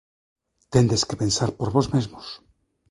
Tendes que pensar por vós mesmos.